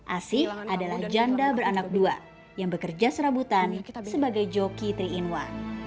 asi adalah janda beranak dua yang bekerja serabutan sebagai joki tri inwa